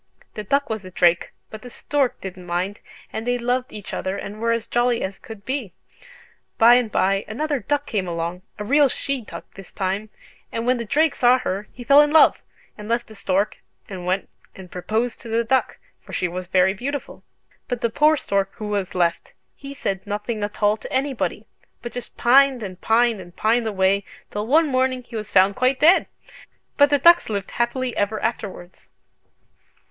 The duck was a drake, but the stork didn't mind, and they loved each other and were as jolly as could be. By and by another duck came along, a real she duck this time, and when the drake saw her he fell in love, and left the stork, and went and proposed to the duck: for she was very beautiful. But the poor stork who was left, he said nothing at all to anybody, but just pined and pined and pined away, till one morning he was found quite dead! But the ducks lived happily ever afterwards!"